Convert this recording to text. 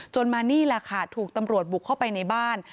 มานี่แหละค่ะถูกตำรวจบุกเข้าไปในบ้าน